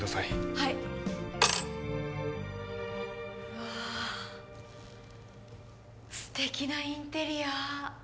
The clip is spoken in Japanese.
はいうわあ素敵なインテリア